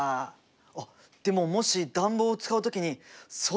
あっでももし暖房を使う時に外がもの